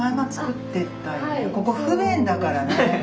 ここ不便だからね。